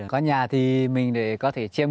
có nhà thì mình có thể chê mưu